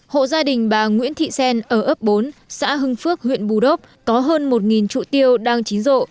hộ gia đình bà nguyễn thị xen ở ấp bốn xã hưng phước huyện bù đốp có hơn một trụ tiêu đang chín rộ